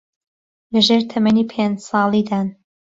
لەژێر تەمەنی پێنج ساڵیدان